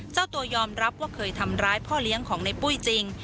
เจ้าตัวยอมรับว่าเคยทำร้ายพ่อเลี้ยงของในปุ้ยจริง